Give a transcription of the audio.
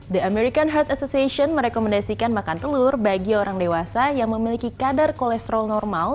the american heart association merekomendasikan makan telur bagi orang dewasa yang memiliki kadar kolesterol normal